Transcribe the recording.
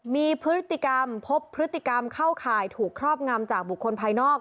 มีพฤติกรรมพบพฤติกรรมเข้าข่ายถูกครอบงำจากบุคคลภายนอก